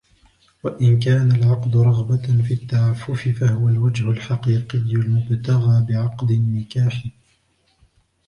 وَإِنْ كَانَ الْعَقْدُ رَغْبَةً فِي التَّعَفُّفِ فَهُوَ الْوَجْهُ الْحَقِيقِيُّ الْمُبْتَغَى بِعَقْدِ النِّكَاحِ